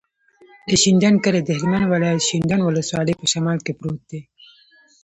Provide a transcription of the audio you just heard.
د شینډنډ کلی د هلمند ولایت، شینډنډ ولسوالي په شمال کې پروت دی.